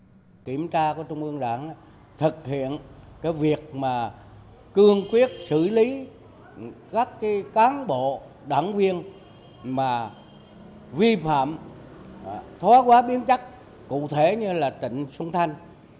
ủy ban kiểm tra trung ương đã thực hiện việc cương quyết xử lý các cán bộ đảng viên vi phạm thóa quá biến chắc cụ thể như trịnh xuân thanh